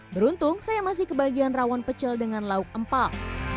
beruntung saya masih kebagian rawon pecel dengan lauk empal